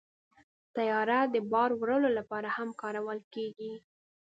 طیاره د بار وړلو لپاره هم کارول کېږي.